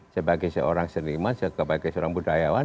sebagai seorang seniman sebagai seorang budayawan